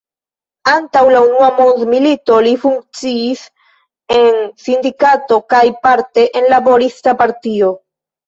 Antaŭ la unua mondmilito li funkciis en sindikato kaj parte en laborista partio.